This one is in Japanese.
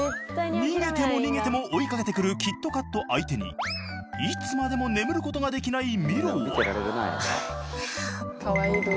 逃げても逃げても追いかけてくるキットカット相手にいつまでも眠る事ができないミロは。